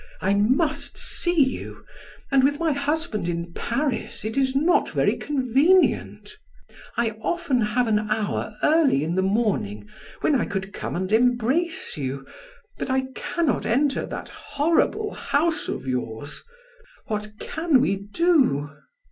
I must see you, and with my husband in Paris it is not very convenient. I often have an hour early in the morning when I could come and embrace you, but I cannot enter that horrible house of yours! What can we do?"